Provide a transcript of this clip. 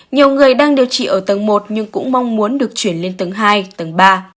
nhiều người đang điều trị ở tầng một nhưng cũng mong muốn được chuyển lên tầng hai tầng ba